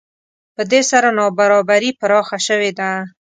په دې سره نابرابري پراخه شوې ده